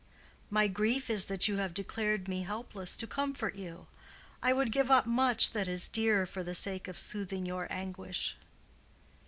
My grief is that you have declared me helpless to comfort you. I would give up much that is dear for the sake of soothing your anguish."